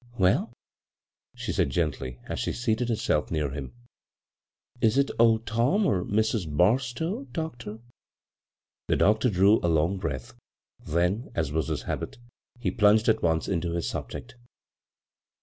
"Well?" she said gendy^ as she seated herself near him. " Is it old Tom, or Mrs. Barstow, doctor?" The doctor drew a long breath, then, as was his habit, he plunged at once into his subject.